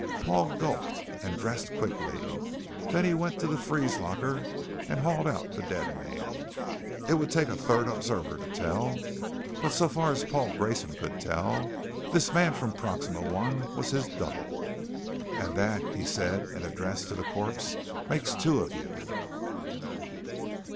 Paul gulped and dressed quickly. Then he went to the freeze locker and hauled out the dead man. It would take a third observer to tell. But so far as Paul Grayson could tell, this man from Proxima I was his double! "And that," he said in address to the corpse, "makes two of you!"